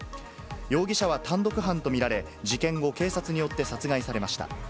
容疑者は単独犯と見られ、事件後、警察によって殺害されました。